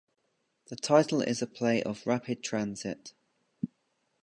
The title is a play of Rapid Transit.